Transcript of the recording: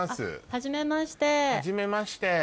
はじめまして。